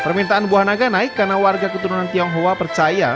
permintaan buah naga naik karena warga keturunan tionghoa percaya